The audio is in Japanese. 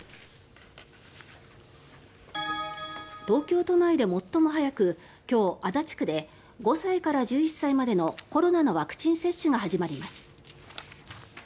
東京都内で最も早く今日、足立区で５歳から１１歳までのコロナのワクチン接種が始まります。